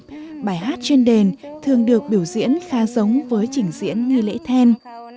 vào một số dịp bài hát trên đền thường được biểu diễn khá giống với chỉnh diễn nghi lễ then